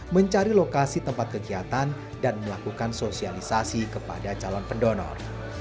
mencari lokasi tempat kegiatan dan melakukan sosialisasi kepada calon pendonor